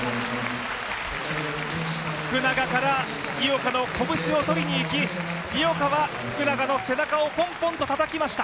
福永から井岡の拳をとりにいき、井岡は福永の背中をポンポンとたたきました。